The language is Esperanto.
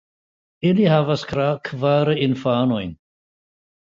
Ili havas kvar infanojn.